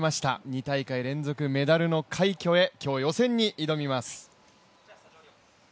２大会連続メダルの快挙へ、今日予選に挑みます。